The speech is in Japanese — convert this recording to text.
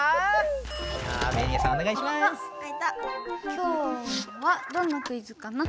今日はどんなクイズかな？